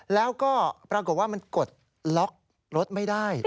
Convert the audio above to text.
แล้วก็ปรากฏว่ามันกดล็อกรถไม่ได้